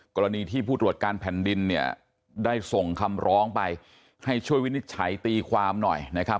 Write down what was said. กรณีที่ผู้ตรวจการแผ่นดินเนี่ยได้ส่งคำร้องไปให้ช่วยวินิจฉัยตีความหน่อยนะครับ